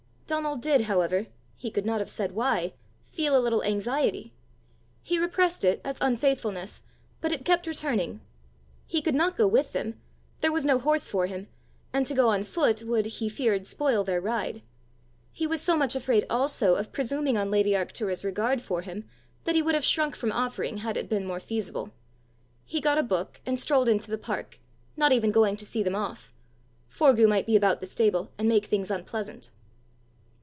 Donal did, however he could not have said why feel a little anxiety. He repressed it as unfaithfulness, but it kept returning. He could not go with them there was no horse for him, and to go on foot, would, he feared, spoil their ride. He was so much afraid also of presuming on lady Arctura's regard for him, that he would have shrunk from offering had it been more feasible. He got a book, and strolled into the park, not even going to see them off: Forgue might be about the stable, and make things unpleasant!